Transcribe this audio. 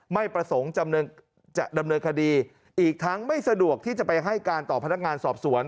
ไม่ประสงค์จะดำเนินคดีอีกทั้งไม่สะดวกที่จะไปให้การต่อพนักงานสอบสวน